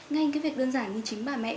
ngay cái việc đơn giản như chính bà mẹ